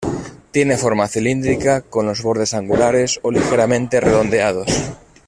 Tiene forma cilíndrica, con los bordes angulares o ligeramente redondeados.